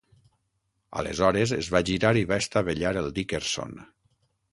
Aleshores, es va girar i va estavellar el "Dickerson".